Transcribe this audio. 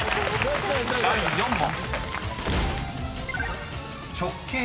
［第４問］